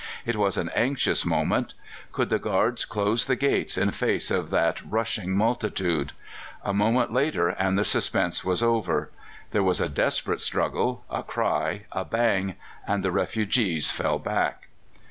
It was an anxious moment. Could the guards close the gates in face of that rushing multitude? A moment later, and the suspense was over. There was a desperate struggle, a cry, a bang, and the refugees fell back."